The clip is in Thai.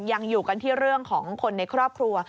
ยังอยู่กันที่เรื่องของคนในครอบครัว